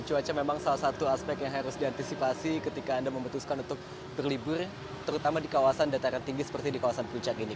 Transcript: cuaca memang salah satu aspek yang harus diantisipasi ketika anda memutuskan untuk berlibur terutama di kawasan dataran tinggi seperti di kawasan puncak ini